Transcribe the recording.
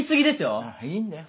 ああいいんだよ。